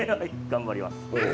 頑張ります。